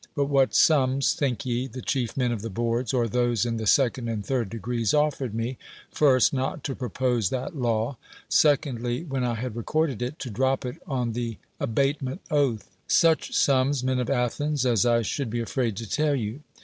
But what sums, think ye, the chief men of the boards, or those in the second and third degrees, offered me, first, not to propose that law, secondly, when I had recorded it, to drop it on the abatement oath? Such sums, men of Athens, as I should be afraid to tell you.